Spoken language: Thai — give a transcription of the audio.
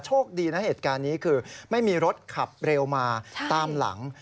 โชคดีนะเหตุการณ์นี้คือไม่มีรถขับเร็วมาตามหลัง